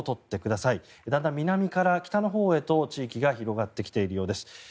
だんだん南から北のほうへと地域が広がってきているようです。